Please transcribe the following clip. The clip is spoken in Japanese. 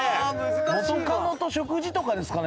元カノと食事とかですかね？